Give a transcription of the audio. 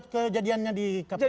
kejadiannya di kabupaten